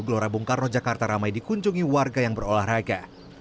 gelora bungkarro jakarta ramai dikunjungi warga yang berolahraga